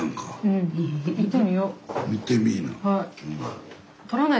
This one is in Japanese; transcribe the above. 行ってみいな。